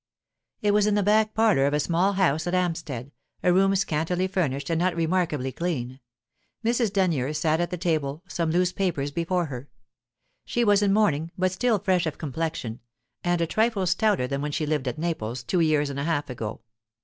It was in the back parlour of a small house at Hampstead, a room scantily furnished and not remarkably clean. Mrs. Denyer sat at the table, some loose papers before her. She was in mourning, but still fresh of complexion, and a trifle stouter than when she lived at Naples, two years and a half ago.